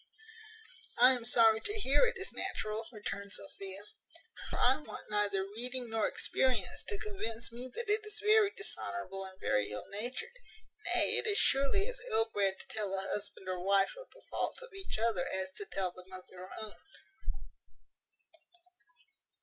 "I am sorry to hear it is natural," returned Sophia; "for I want neither reading nor experience to convince me that it is very dishonourable and very ill natured: nay, it is surely as ill bred to tell a husband or wife of the faults of each other as to tell them of their own."